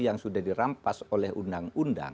yang sudah dirampas oleh undang undang